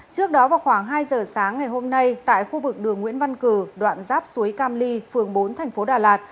trước đó vào khoảng hai giờ sáng ngày hôm nay tại khu vực đường nguyễn văn cử đoạn giáp suối cam ly phường bốn thành phố đà lạt